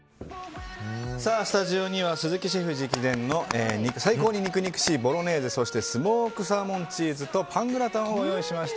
スタジオには鈴木シェフ直伝の最高に肉々しいボロネーゼそしてスモークサーモンチーズとパングラタンをご用意しました。